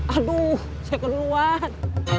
aduh saya keduluan